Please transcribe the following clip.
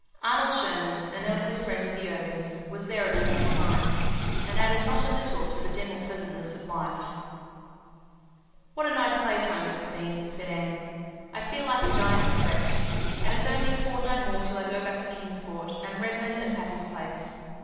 (1) Arnold Sherman, an elderly friend of the Irvings, was there at the same time, and added not a little to the general pleasantness of life. (1 Chronicles of Avonlea.) "What a nice play time this has been," said Anne. "I feel like a giant refreshed. And it's only a fortnight more till I go back to Kingsport, and Redmond and Patty's Place.